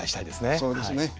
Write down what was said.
そうですね。